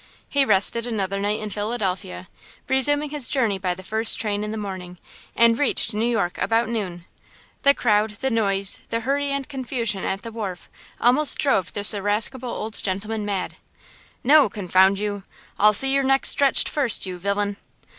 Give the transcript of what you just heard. He rested another night in Philadelphia, resumed his journey by the first train in the morning and reached New York about noon. The crowd, the noise, the hurry and confusion at the wharf almost drove this irascible old gentleman mad. "No, confound you!" "I'll see your neck stretched first, you villain!"